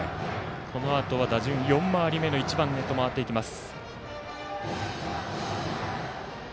このあとは打順４回り目の１番へと回っていきます。